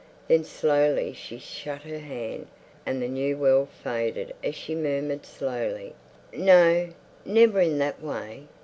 Then slowly she shut her hand, and the new world faded as she murmured slowly, "No, never in that way."